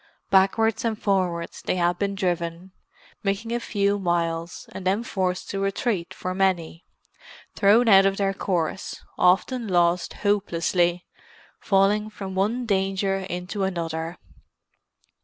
Backwards and forwards they had been driven; making a few miles, and then forced to retreat for many; thrown out of their course, often lost hopelessly, falling from one danger into another.